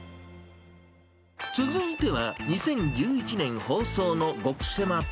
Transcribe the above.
続いては２０１１年放送の極セマ店。